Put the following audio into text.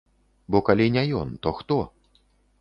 Бо калі не ён, то хто?